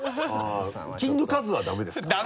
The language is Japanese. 「キングカズ」はダメですか？